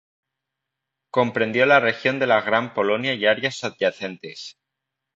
Comprendió la región de la Gran Polonia y áreas adyacentes.